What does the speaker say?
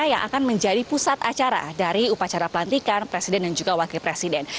yang akan menjadi pusat acara dari upacara pelantikan presiden dan juga wakil presiden